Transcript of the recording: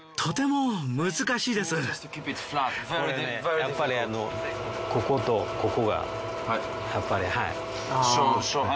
やっぱりこことここがやっぱりはい。